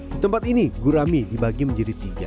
di tempat ini gurami dibagi menjadi tiga